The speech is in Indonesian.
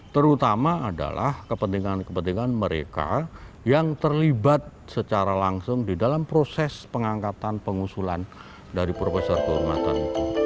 terutama adalah kepentingan kepentingan mereka yang terlibat secara langsung di dalam proses pengangkatan pengusulan dari profesor kehormatan